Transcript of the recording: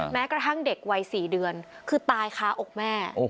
แม้กระทั่งเด็กวัย๔เดือนคือตายค้าอกแม่